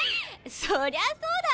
そりゃそうだ！